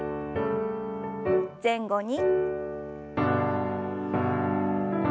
前後に。